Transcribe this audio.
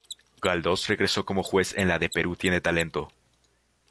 Galdós regresó como juez en la de "Perú Tiene Talento".